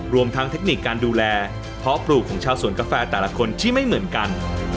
รวมทั้งเทคนิคการดูแลเพาะปลูกของชาวสวนกาแฟแต่ละคนที่ไม่เหมือนกัน